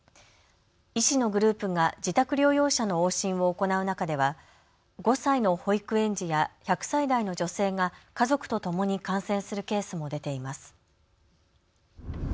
医師のグループが自宅療養者の往診を行う中では５歳の保育園児や１００歳代の女性が家族とともに感染するケースも出ています。